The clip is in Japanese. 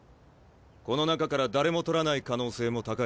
この中から誰も獲らない可能性も高い。